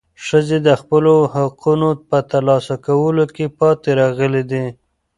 ښځې د خپلو حقوقو په ترلاسه کولو کې پاتې راغلې دي.